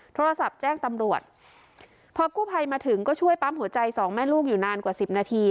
โทรศัพท์แจ้งตำรวจพอกู้ภัยมาถึงก็ช่วยปั๊มหัวใจสองแม่ลูกอยู่นานกว่าสิบนาที